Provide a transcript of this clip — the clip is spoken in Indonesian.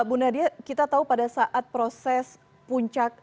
bu nadia kita tahu pada saat proses puncak